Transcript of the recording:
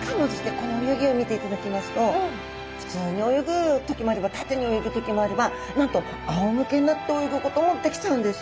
この泳ぎを見ていただきますと普通に泳ぐ時もあれば縦に泳ぐ時もあればなんとあおむけになって泳ぐこともできちゃうんです。